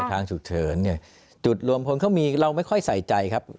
ทางฉุกเฉินเนี่ยจุดรวมพลเขามีเราไม่ค่อยใส่ใจครับ